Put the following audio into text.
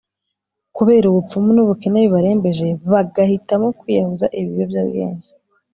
kubera ubupfubyi n’ubukene bibarembeje, bagahitamo kwiyahuza ibiyobyabwenge.